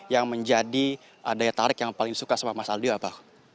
yang menjadi daya tarik yang paling suka sama mas aldio apa